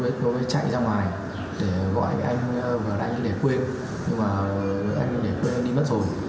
tôi chạy ra ngoài để gọi anh để quên nhưng anh để quên đi mất rồi